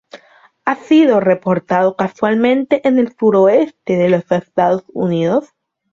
Ha sido reportado casualmente en el suroeste de los Estados Unidos.